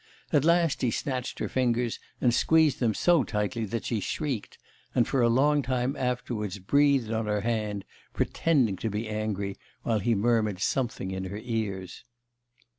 At last he snatched her fingers, and squeezed them so tightly that she shrieked, and for a long time afterwards breathed on her hand, pretending to be angry, while he murmured something in her ears.